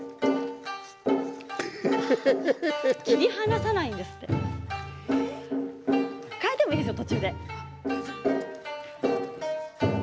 切り離さないんですって途中で変えてもいいですよ。